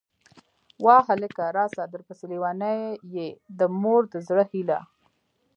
واه هلکه!!! راسه درپسې لېونۍ يه ، د مور د زړه هيلهٔ